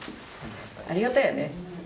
ありがたいよね。